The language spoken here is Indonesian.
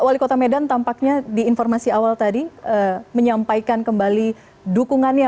wali kota medan tampaknya di informasi awal tadi menyampaikan kembali dukungannya